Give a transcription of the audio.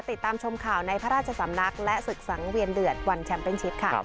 ติดตามชมข่าวในพระราชสำนักและศึกสังเวียนเดือดวันแชมเป็นชิปค่ะ